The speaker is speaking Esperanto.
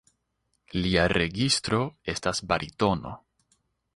Lia registro estas baritono.